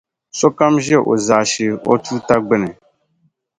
sokam ʒe o zaashee o tuuta gbini.